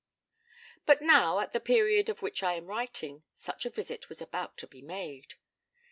But now, at the period of which I am writing, such a visit was about to be made.